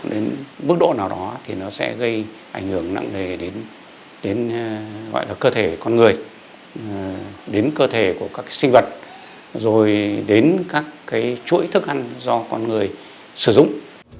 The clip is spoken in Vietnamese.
đến bước độ nào đó thì nó sẽ gây ảnh hưởng nặng lề đến cơ thể con người đến cơ thể của các sinh vật rồi đến các chuỗi thức ăn do con người sử dụng